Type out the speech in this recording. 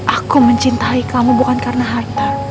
aku mencintai kamu bukan karena harta